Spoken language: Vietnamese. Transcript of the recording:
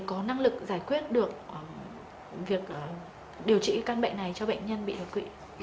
có năng lực giải quyết được việc điều trị căn bệnh này cho bệnh nhân bị đột quỵ